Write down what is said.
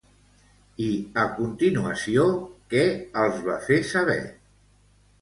I a continuació, què els va fer saber?